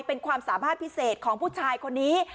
เป็นความสามารถพิเศษของผู้ชายคนนี้